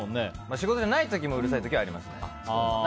仕事じゃない時もうるさい時があります。